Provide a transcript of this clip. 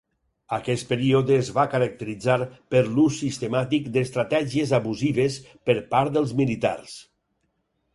Aquest període es va caracteritzar per l'ús sistemàtic d'estratègies abusives per part dels militars.